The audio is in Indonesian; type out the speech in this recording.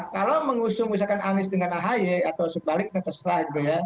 kalau mengusung misalkan anies dengan ahi atau sebaliknya terserah